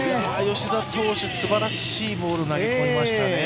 吉田投手、すばらしいボールを投げ込みましたね。